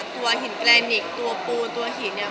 ตัวหินแกรนิกตัวปูนตัวหินเนี่ย